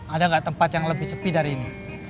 ada nggak tempat yang lebih sepi dari ini